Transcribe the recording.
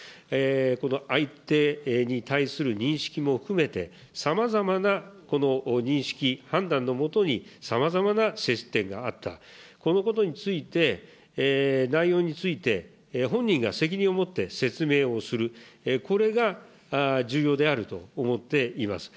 この相手に対する認識も含めて、さまざまな認識、判断のもとに、さまざまな接点があった、このことについて、内容について、本人が責任を持って説明をする、これが重要であると思っています。